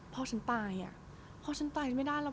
พ่อฉันตายอ่ะพ่อฉันตายไม่ได้แล้ว